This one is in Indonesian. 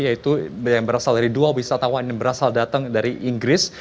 yaitu yang berasal dari dua wisatawan yang berasal datang dari inggris